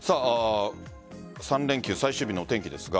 ３連休最終日のお天気ですが。